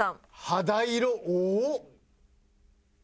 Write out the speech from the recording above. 「肌色多っ！」。